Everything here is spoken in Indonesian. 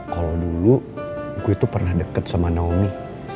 kalau dulu gue tuh pernah deket sama naomi